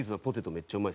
めっちゃうまい！